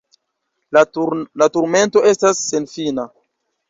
La turmento estas senfina.